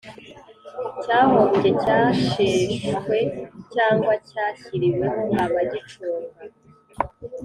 cyahombye, cyasheshwe cyangwa cyashyiriweho abagicunga;